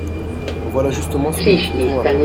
Voilà justement ce que nous souhaitons apprendre.